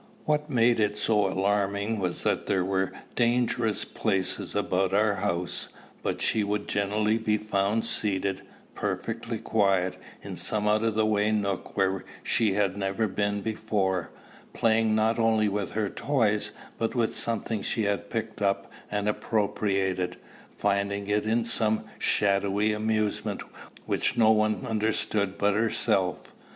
What made it so alarming was that there were dangerous places about our house; but she would generally be found seated, perfectly quiet, in some out of the way nook where she had never been before, playing, not with any of her toys, but with something she had picked up and appropriated, finding in it some shadowy amusement which no one understood but herself.